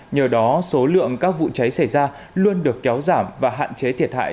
nhờ đó số lượng các vụ cháy xảy ra luôn được kéo giảm và hạn chế thiệt hại